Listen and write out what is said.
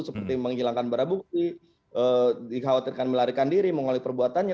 seperti menghilangkan barang bukti dikhawatirkan melarikan diri mengalami perbuatannya